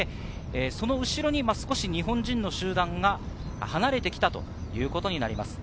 その後ろに少し日本人の集団が離れてきたということになります。